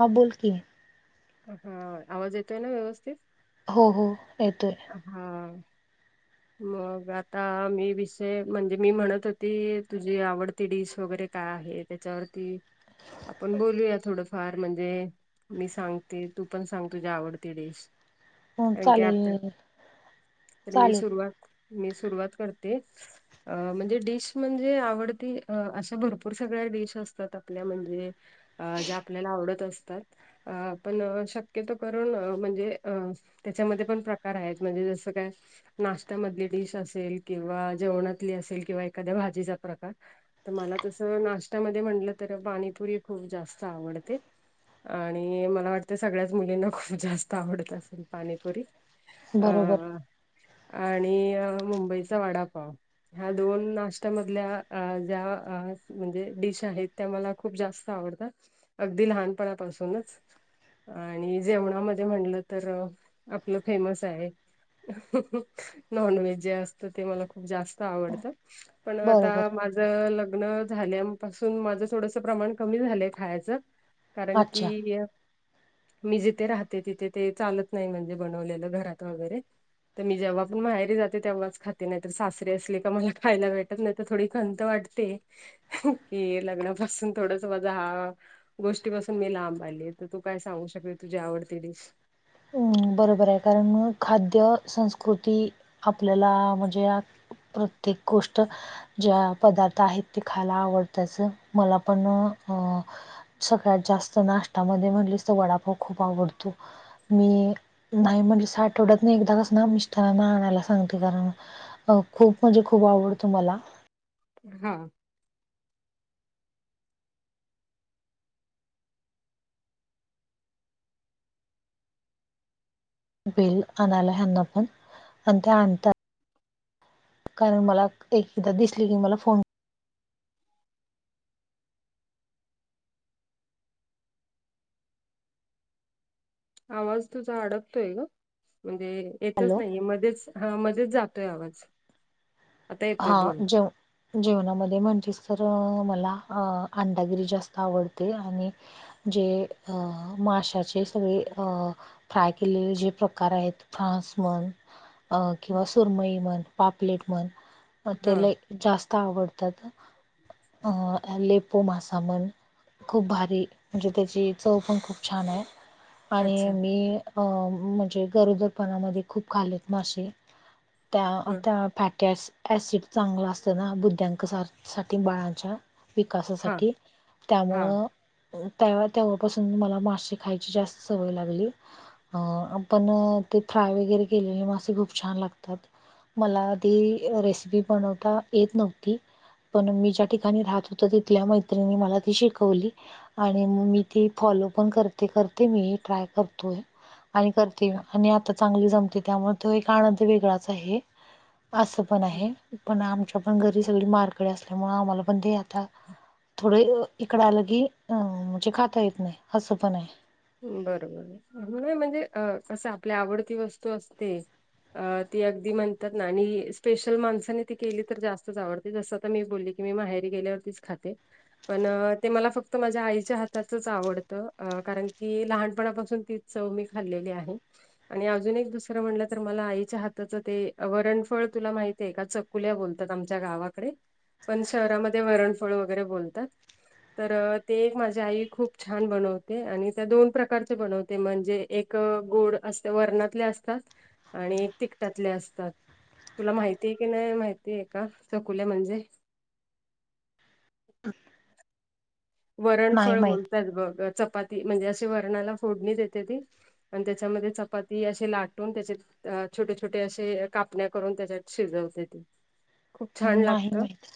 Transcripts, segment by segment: हां बोल की. हा आवाज येतोय ना व्यवस्थित? हो हो येतोय. हा म. मग आता मी विषय म्हणजे मी म्हणत होती तुझी आवडती डीश वगैरे का आहे त्याच्यावरती आपण बोलूया थोडंफार म्हणजे मी सांगते तू पण सांग तुझ्या आवडती डिश. हो कारण की आता चालेल. तर मी चालेल सुरुवात मी सुरुवात करते. अ म्हणजे डिश म्हणजे आवडती अशा भरपूर सगळ्या डिश असतात आपल्या म्हणजे अ ज्या आपल्याला आवडत असतात. अ पण शक्यतो करूण म्हणजे अ त्याच्यामध्ये पण प्र कार आहेत म्हणजे जसं काय? नाश्त्यामधली डिश असेल किंवा जेवणातली असेल किंवा एखाद्या भाजीचा प्रकार. तर मला तसं नाश्तामध्ये म्हटलं तर पाणीपुरी खूप जास्त आवडते. आणि मला वाटते सगळ्याच मुलींना खूप जास्त आवडत असेल पाणीपुरी. बरोबर. अ आणि मुंबईचा वडापाव. ह्या दोन नाशत्यामधल्या ज्या म्हणजे डिश आहेत. त्या मला खूप जास्त आवडतात अगदी लहानपणापासूनच. आणि जेवणामध्ये म्हटलं तर आपलं फेमस आहे. नॉनव्हेज जे असत ते मला खूप जास्त आवडत पण आता बरोबर मा माझं लग्न झाल्यापासून माझं थोडस प्रमाण कमी झालंय खायाचं. कारण अच्छा की मी जिथे राहते तिथे ते चालत नाही म्हणजे बनवलेलं घरात वगैरे तर मी जेव्हा पण माहेरी जाते तेव्हाच खाते नाही तर सासरी असले का मला खायला भेटत नाही तर थोडी खंत वाटते. ते कि लग्नापासून थोडच माझ हा. गोष्टीपासून मी लांब आली तर तू काय सांगू शकते तुझी आवडती डिश. बरोबर आहे कारण खाद्य संस्कृती आपल्याला म्हणजे प्रत्येक गोष्ट ज्या पदार्थ आहेत ते खायला आवडतच मला पण अं. सगळ्यात जास्त नाश््यामध्ये म्हणलेस तर वडापाव खूप आवडतो मी नाही म्हणजे साठवडत नाही एकदा कस ना मिस्टरांना आणायला सांगते कारण अ खूप म्हणजे खूप आवडतो मला हा. बिल आणायला ह्यांना पण आणि ते आणतात. कारण मला एकदा दिसली की मला फोन आवाज तुझा अडकतोय ग म्हणजे येतच हॅलो नाहीये मध्येच हा मजेच जातोय आवाज आता येतोय हा बोल जेऊ. जेवणामध्ये म्हणजेच तर मला अ अंडागिरी जास्त आवडते आणि जे अ माशाचे सगळे अ फ्राय केलेले जे प्रकार आहेत फ्रानस मण अ किंवा सुरमई म्हण पापलेट म्हण ते हा लै जास्त आवडतात अं लेपो मासा म्हण. खूप भारी म्हणजे त्याची चव पण खूप छान आहे. आणि अच्छा मी अं म्हणजे गरोदरपणामध्ये खूप खालेत मासे. त्या त्या फॅटी ॲसिड चांगला असत ना बुद्ध्यांक साठी बाळांच्या हा विकासासाठी त्यामुळं हा त्या तेव्हापासून मला मासे खायची जास्त सवय लागली. अं आपण ते फ्राय वगैरे केलेले मासे खूप छान लागतात. मला आधी रेसिपी बनवता येत नव्हती. पण मी ज्या ठिकाणी राहत होत तिथल्या मैत्रिणी मला ती शिकवली. आणि मग मी ती फॉलो पण करते करते मी ट्राय करतोय. आणि करते आणि आता चांगली जमते त्यामुळे तो एक आनंद वेगळाच आहे. असं पण आहे पण आमच्या पण घरी सगळी मारकडे असल्यामुळे आम्हाला पण ते आता थोडे इकडं आलं की अ म्हणजे खाता येत नाही हसं पण आहे. बरोबर म्हणजे अ कसं आपल्या आवडती वस्तू असते. अ ती अगदी म्हणतात ना आणि स्पेशल माणसाने ती केली तर जास्तच आवडत. जसं आ मी बोलली की मी माहेरी गेल्यावरतीच खाते. पण ते मला फक्त माझ्या आईच्या हातातच आवडतं कारण की लहानपणापासून ती चव मी खाल्लेली आहे. आणि अजून एक दुसरं म्हटलं तर मला आईच्या हाताचं ते वरणफळ तुला माहिती आहे का चक. कुल्या बोलतात आमच्या गावाकडे पण शहरामध्ये वरणफळ वगैरे बोलतात. तर ते माझ्या आई खूप छान बनवते आणि त्या दोन प्रकारचे बनवते म्हणजे एक गोड अस वर्णातले असतात. आणि तिकटातले असतात. तुला माहिती आहे की नाही माहिती आहे का सकुल म्हणजे नाही वरणफळ माहित बोलतात बघ चपाती म्हणजे अशी वरणाला फोडणी येते ती आणि त्याच्यामध्ये चपाती असे लाटून त्याचे अ छोटे छोटे असे कापण्या करून त्याच्यात शिजवते. खूप छान नाही लागत माहित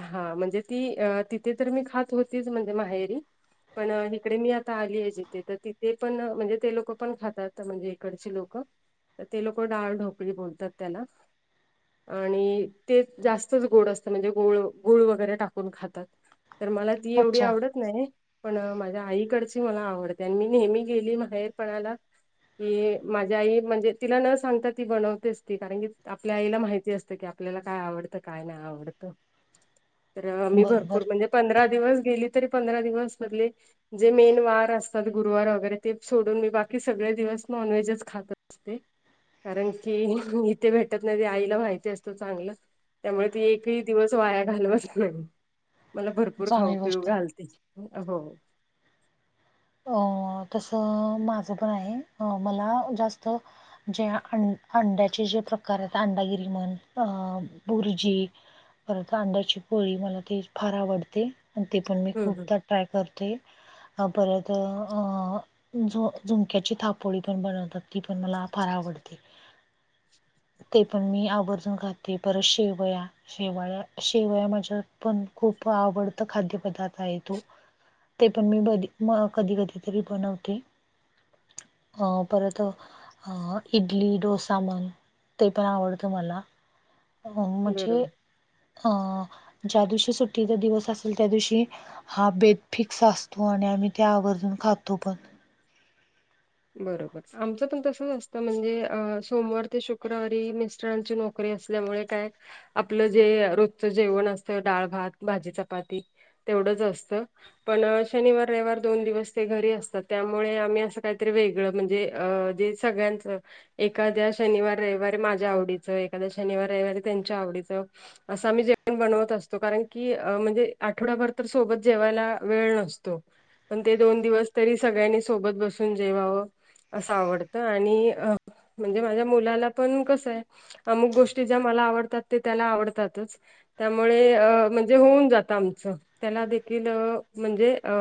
हा म्हणजे ती तिथे तर मी खात होत. तीच म्हणजे माहेरी पण इकडे मी आता आली आहे जिथे तर तिथे पण म्हणजे ते लोक पण खातात म्हणजे इकडचे लोक. ते लोक डाळढोकळी बोलतात त्याला आणि ते जास्तच गोड असत म्हणजे गोळ गोळ वगैरे टाकून खातात. तर मला ती एवढी अच्छा आवडत. नाही पण माझ्या आईकडची मला आवडते आणि मी नेहमी गेली माहेर पणाला की माझ्या आई म्हणजे तिला न सांगता ती बनवतेच ती कारण की आपल्या आईला माहिती असतं की ल्याला काय आवड काय नाही आवडत तर मी भरपूर बरोबर म्हणजे पं दिवस गेली तरी पंधरा दिवस मधले. जे मेन वार असतात गुरुवार वगैरे ते सोडून मी बाकी सगळे दिवस नॉनव्हेजच खात. कारण की इथे भेटत नाही आईला माहिती असतं चांगलं. त्यामुळे तू एकही दिवस वाया घालवत नाही मला भरपूर. भरपूर खाऊ चांगली पिऊ गोष्ट आहे घालते हो. अ तसं माझं पण आहे अ मला जास्त. जे अं अंड्याचे जे प्रकार आहेत अंडागिरी म्हण अ बुर्जी. परंत अंड्याची पोळी मला ते फार आवडते आणि ते पण मी हम्म हम्म खूपदा ट्राय करते. हा परत झु झुमक्याची थापोळी पण बनवतात ती पण मला फार आवडते. [inaudible] [unintelligible] [unintelligible] [inaudible] ते पण मी आवर्जून खाते परत शेवया. शेवाळ्या शेवया माझ्या पण खूप आवडत खाद्यपदार्थ आहे तो. ते पण मी ब कधी कधी तरी बनवते. अ परत. अ इडली डोसा मन ते पण आवडतं मला. अ म्हणजे बरोबर अ ज्या दिवशी सुट्टीचा दिवस असेल त्या दिवशी. हा बेेत फिक्स असतो आणि आम्ही त्या आवर्जून खातो पण. बरोबर आमच पण तस असतं म्हणजे सोमवार ते शुक्रवारी मिस्टरांची नोकरी. क असल्यामुळे काय आपलं जे रोजचं जेवण असतं डाळ भात भाजी चपाती तेवढंच असतं पण शनिवार रविवार दोन दिवस ते घरी असतात त्यामुळे आम्ही असं काही,, वेगळं म्हणजे जे सगळ्यांचं. एखाद्या शनिवार रविवारी माझ्या आवडीचं, एखाद्या शनिवार रविवारी त्यांच्या आवडीचं. असं आम्ही जेवण बनवत असतो कारण की म्हणजे आठवड्याभर तर सोबत जेवायला वेळ नसतो. पण ते दोन दिवस तरी सगळ्यांनी सोबत बसून जेवावं. असं आवडतं आणि म्हणजे माझ्या मुलाला पण कसं आहे. अमुक गोष्टी ज्या मला आवडतात ते त्याला आवडतातच. त्यामुळे म्हणजे होऊन जातं आमचं. त्याला देखील म्हणजे अ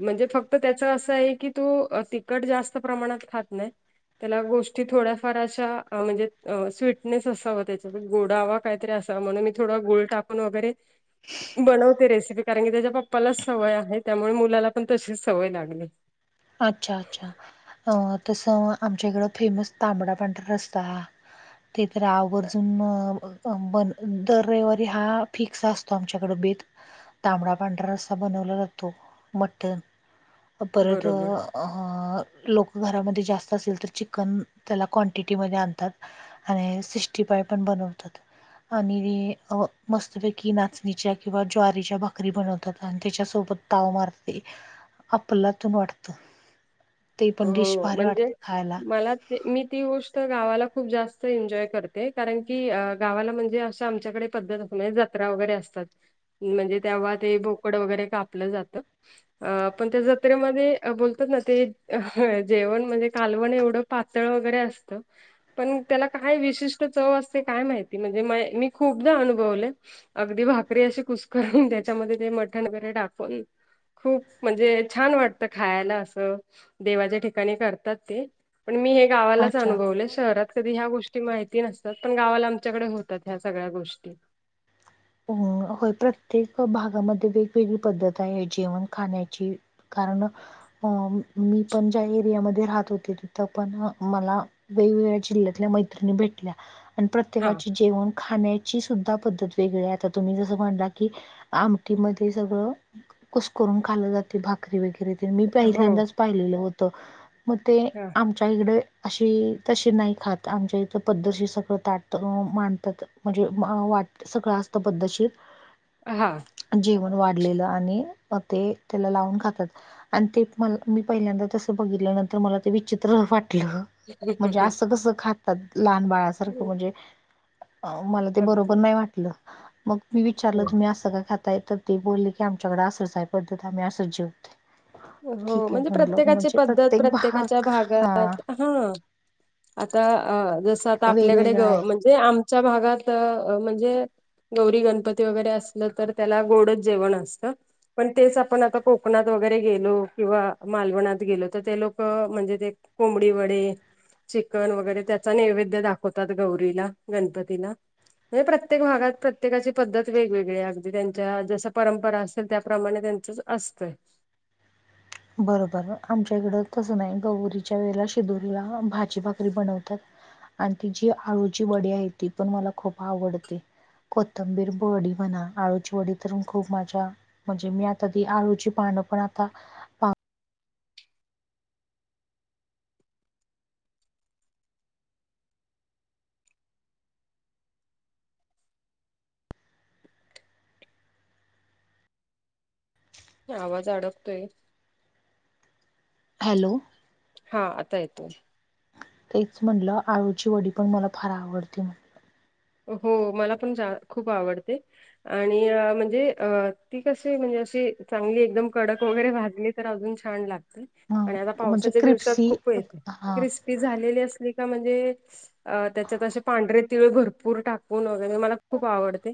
म्हणजे फक्त त्याच असं आहे की,, तू तखट जास्त प्रमाणात खात नाही. त्याला गोष्टी थोड्याफार अशा म्हणजे स्वीटनेस असावा त्याचा गोडावा. काहीतरी अस म्हणून मी थोड गळ टाकून वगैरे बनवते रेसिपी कारण की त्याच्या पप्पालाच सवय आहे त्यामुळे मुलाला पण तशीच सवय लागली. अच्छा अच्छा अ तसं आमच्या इकड फेमस तांबडा पांढरा रस्ता ते तर आवर्जून. बन दर रविवारी हा फिक्स असतो आमच्याकड बेत. तांबडा पांढरा रस्ता बनवला जातो मटण परत, बरोबर अ लोक घरामध्ये जास्त असेलव तर चिकन त्याला क्वांटिटीमध्ये आणतात. आणि सिष्टी पाय पण बनवतात. आणि मस्तपैकी नाचणीच्या किंवा ज्वारीच्या भाकरी बनवतात आणि त्याच्यासोबत. ताव मारते आपला तून वाटत. ते पण डिश हो भारी म्हणजे वाटते खायला. मला मी ती गोष्ट गावाला खूप जास्त एन्जॉय करते कारण की गावाला म्हणजे अशा आमच्याकडे पद्धत हो जत्रा वगैरे असतात म्हणजे तेव्हा ते बोकड वगैरे कापलं जातं. अ पण त्या जत्रेमध्ये बोलतात ना ते. जेवण म्हणजे कालवण एवढं पातळ वगैरे असतं. पण त्याला काय विशिष्ट चव असते काय माहिती म्हणजे मी खूपदा अनुभवले. अगदी भाकरी अशी कुसकरून त्याच्यामध्ये ते मठण वगैरे टाकवून. खूप म्हणजे छान वाटतं खायला असं. देवाच्या ठिकाणी करतात ते पण मी हे गावालाच अच्छा. अनुभवले शहरात. कधी ह्या गोष्टी माहिती नसतात पण गावाला आमच्याकडे होतात ह्या सगळ्या गोष्टी. अ होय प्रत्येक भागामध्ये वेगवेगळी पद्धत आहे जेवण खाण्याची. कारण अ मी पण ज्या एरियामध्ये राहत होते तिथं पण मला. वेगवेगळ्या जिल्हतल्या मैत्रिणी भेटल्या आणि हा प्रत्येका जेवण खाण्याची सुद्धा पद्धत. वेगळे आता तुम्ही जसं म्हणला कि आमटीमध्ये सगळं. कुसकरून खाल जाते भाकरी वगैरे. मी हो पहिल्यांदाच पाहिलेलं होत मग ते हा आम आमच्या इकडे अशी तशी नाही खात आमच्या इथ पद्धशी सगळं ताटत मांडतात. म्हणजे व वाटत सगळं असत पद्धशीर. हा. जेवण वाढलेलं आणि ते त्याला लावून खातात. आणि ते म मी पहिल्यांदा तसं बघितलं नंतर मला ते विचित्र वाटलं. म्हणजे असं कसं खातात लहान बाळसारखं म्हणजे. मला ते बरोबर अगदी. नाही वाटलं मग मी विचारलं हो तुम्ही असं का खाता. तर ते बोलली की आमच्याकडे असच आय पद्धत आम्ही असच जेवतोय. हो ठीक आहे म्हणजे म्हणलं प्रत्येकाची म्हणजे पद्धत प्रत्येक प्रत्येकाच्या भाग हा भागात ना. हा,, आता,, जस आता आपल्याकडे वेगवेगळा ग आहे म्हणजेऽ जे आमच्या भागात म्हणजे. गौरी गणपती वगैरे असलं तर त्याला गोडच जेवण असतं. पण तेच आपण आता कोकणात वगैरे. गेलो किंवा मालवणात गेलो तर ते लोक म्हणजे ते कोंबडी वडे. चिकन वगैरे त्याचा नैवेद्य दाखवतात गौरीला गणपतीला. म्हणजे प्रत्येक भागात प्रत्येकाची पद्धत वेगवेगळी अगदी त्यांच्या जस परंपरा असेल त्याप्रमाणे त्यांचं. असतय. बरोबर आमच्या इकडं तसं नाही गौरीच्या वेळेला शिदोरीला भाजी भाकरी बनवतात. आणि ति जी आळूची वडी आहे ती पण मला खूप आवडते. कोथंबीर वडी म्हणा आळूची वडी तरण खूप माझ्या. म्हणजे मी आता ती आळूची पानं पण आता पाक. आवाज अडकतोय. हॅलो. हा आता येतोय. तेच म्हटलं आळूची वडी पण मला फार आवडते. हो मला पण जा खूप आवडते. आणि म्हणजे अ ती कशी म्हणजे अशी चांगली एकदम कडक वगैरे भाजली. तर अजून छान लागत आणि आता हां. म्हणजे पावसाच्या दिवसात क्रिप्सी खूप येते हां. क्रिस्पी. कि झालेली असली का म्हणजे त्याच्यात अस पांढरे तिळ भरपूर टाक. कुन वगैरे मला खूप आवडते.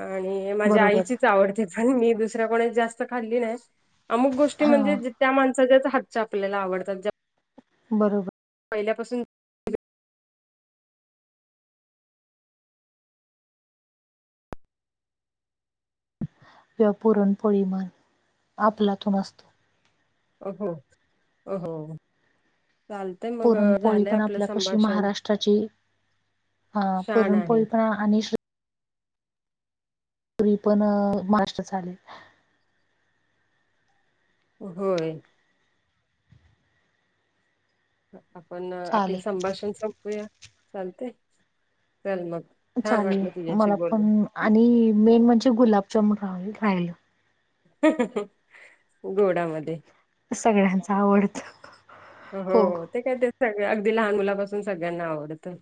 आणि माझ्या बरोबर. आईचीच आवडते पण मी दुसऱ्या कोणी जास्त खाल्ली नाही. अमुक गोष्टी म्हणजे हां. त्या माणसाच्याच हातच्या आपल्याला आवडतात ज्या. बरोबर. पहिल्यापासून. किंवा पुरणपोळी मण आपलातून असतो. अ हो अ हो चालतय. पुरणपोळी पण आपल्या कशी महाराष्ट्राची. हा छान आहे. पुरणपोळी पणा आणि शू री पण मास्र झाले. होय, आपण आपले चालेल संभाषण संपवूया चालतय चल मग. छान चालेल वाटलं तुझ्याशी मला पण बोलून आणि मेन म्हणजे गुलाबजामन रा राहिल. हम्म हम्म गोडामध्ये. सगळ्यांच आवडत. हो ते काय ते सगळ अगदी लहान मुलापासून सगळ्यांना आवडतं.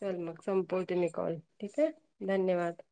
चल मग संपवते मी कॉल ठीक आहे धन्यवाद.